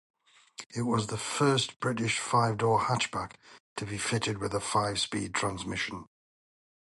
It was the first British five-door hatchback to be fitted with a five-speed transmission.